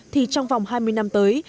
thì trong vòng hai mươi năm tới